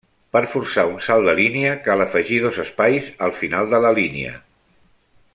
Per forçar un salt de línia cal afegir dos espais al final de la línia.